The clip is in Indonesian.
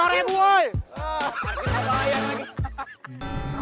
parkir bahaya lagi